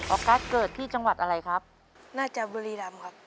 ออกัสเกิดที่จังหวัดอะไรครับน่าจะบุรีรำครับ